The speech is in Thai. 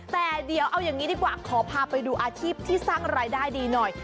แต่เดี๋ยวเอาอย่างนี้ดีกว่าขอพาไปดูอาชีพที่สร้างรายได้ดีหน่อย